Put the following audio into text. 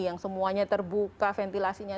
yang semuanya terbuka ventilasinya